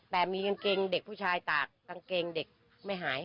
แต่มีกางเกงเด็กผู้ชายตากกางเกงเด็กไม่หาย